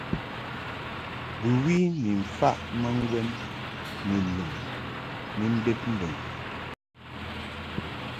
Bɨwi ni mfaʼ ma ŋgwɛn ni lum ni mbeb mbɨŋ.